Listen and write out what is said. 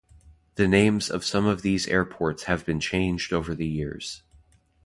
The names of some of these airports have been changed over the years.